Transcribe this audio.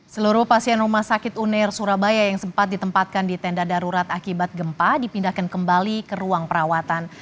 seluruh pasien rumah sakit uner surabaya yang sempat ditempatkan di tenda darurat akibat gempa dipindahkan kembali ke ruang perawatan